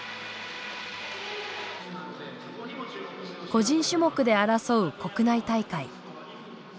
個人種目で争う国内大会。